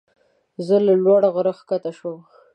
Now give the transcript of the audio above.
زه له لوړ غره ښکته شوم.